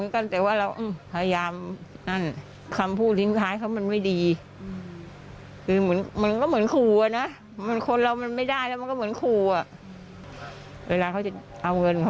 กลัวดิใจเสียเหมือนกัน